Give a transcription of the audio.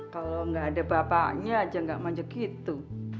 kalau gak ada bapaknya aja gak manja gitu